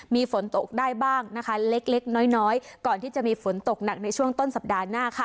มีฝนตกได้บ้างนะคะเล็กเล็กน้อยน้อยก่อนที่จะมีฝนตกหนักในช่วงต้นสัปดาห์หน้าค่ะ